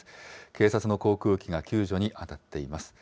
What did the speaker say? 警察の航空機が救助に当たっています。